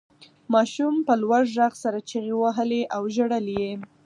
ماشوم په لوړ غږ سره چیغې وهلې او ژړل یې.